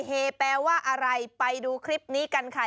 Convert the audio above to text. แปลว่าอะไรไปดูคลิปนี้กันค่ะ